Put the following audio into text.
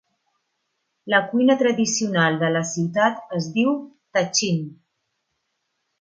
La cuina tradicional de la ciutat es diu tahchin.